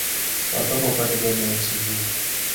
Watoka upande gani ya nchi hii?